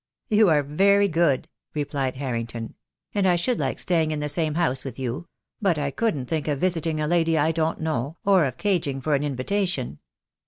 "You are very good," replied Harrington, "and I should like staying in the same house with you; but I couldn't think of visiting a lady I don't know, or of cadg ing for an invitation."